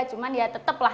cuman ya tetap lah